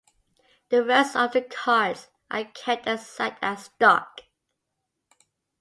The rest of the cards are kept aside as stock.